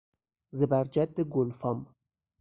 زبرجد گلفام